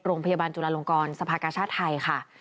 โรงพยาบาลจุลาลงกรสภากชาติไทยค่ะ